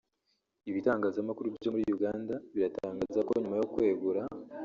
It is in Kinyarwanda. Ibitangazamakuru byo muri Uganda biratangaza ko nyuma yo kwegura